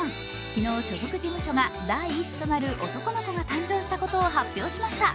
昨日、所属事務所が第１子となる男の子が誕生したことを発表しました。